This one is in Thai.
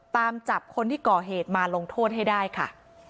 ตามจับคนที่ก่อเหตุมาลงโทษให้ได้ค่ะ